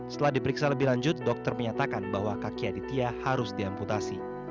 setelah diperiksa lebih lanjut dokter menyatakan bahwa kaki aditya harus diamputasi